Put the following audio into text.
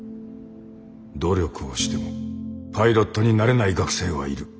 努力をしてもパイロットになれない学生はいる。